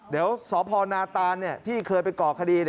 เดี๋ยวสพนาตานที่เคยไปก่อคดี